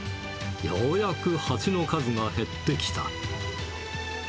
ようやくハチの数が減ってきた。